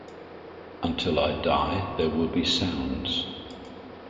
Until I die there will be sounds.